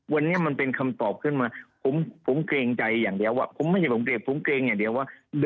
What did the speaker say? วันนี้มันเป็นคำตอบขึ้นมาผมเกรงใจอย่างเดียว